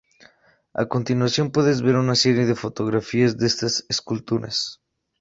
A continuación puedes ver una serie de fotografías de estas esculturas.